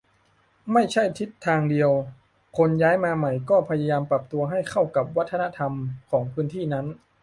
ไม่ใช่ทิศทางเดียว คนย้ายมาใหม่ก็พยายามปรับตัวให้เข้ากับวัฒนธรรมของพื้นที่นั้น